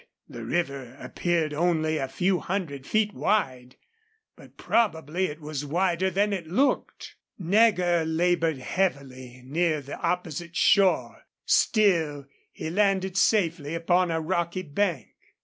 The river appeared only a few hundred feet wide, but probably it was wider than it looked. Nagger labored heavily near the opposite shore; still, he landed safely upon a rocky bank.